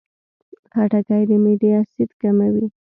خټکی د معدې اسید کموي.